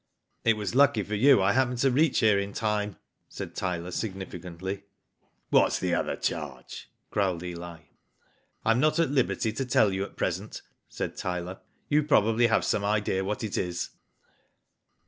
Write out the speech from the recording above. *' It was lucky for you I happened to ^ reach here in time," said Tyler, significantly. "What's the other charge?" growled Eli. " I am not at liberty to tell you at present," said Tyler. You probably have some idea what it is."